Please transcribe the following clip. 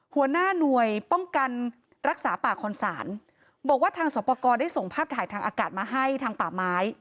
หัวหน้าหน่วยป้องกันรักษาป่าคอนศาลบอกว่าทางสอบประกอบได้ส่งภาพถ่ายทางอากาศมาให้ทางป่าไม้